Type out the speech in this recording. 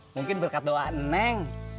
mungkin berkat doa nenk